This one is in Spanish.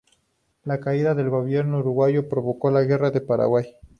La caída del gobierno uruguayo provocó la Guerra del Paraguay.